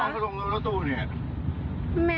อ้าวโอเค